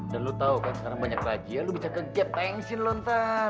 dan lo tau kan sekarang banyak rajia lo bisa ke gap pensi lo ntar